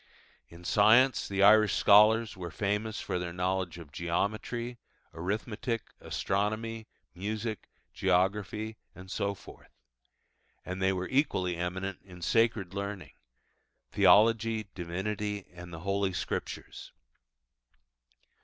In science the Irish scholars were famous for their knowledge of Geometry, Arithmetic, Astronomy, Music, Geography, and so forth. And they were equally eminent in sacred learning Theology, Divinity, and the Holy Scriptures.